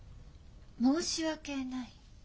申し訳ない？